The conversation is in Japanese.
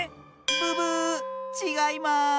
ブブーッちがいます！